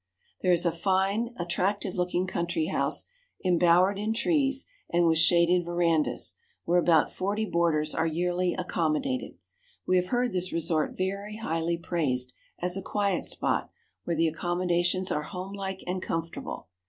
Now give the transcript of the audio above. There is a fine, attractive looking country house, embowered in trees and with shaded verandas, where about forty boarders are yearly accommodated. We have heard this resort very highly praised as a quiet spot, where the accommodations are homelike and comfortable.